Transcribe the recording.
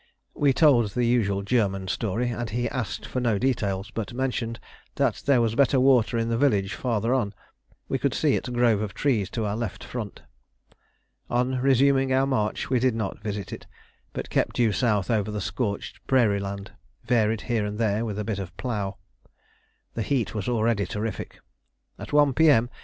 We told the usual German story, and he asked for no details, but mentioned there was better water in a village farther on; we could see its grove of trees to our left front. On resuming our march we did not visit it, but kept due south over the scorched prairie land, varied here and there with a bit of plough. The heat was already terrific. At 1 P.M.